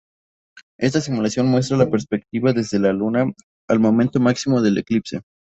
Esta simulación muestra la perspectiva desde la Luna al momento máximo del eclipse.